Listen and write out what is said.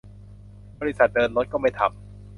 บริษัทเดินรถก็ไม่ทำ